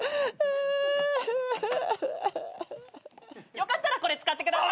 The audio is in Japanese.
よかったらこれ使ってください。